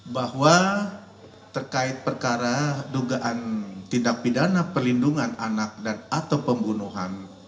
bahwa terkait perkara dugaan tindak pidana perlindungan anak dan atau pembunuhan